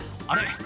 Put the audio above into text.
「あれ？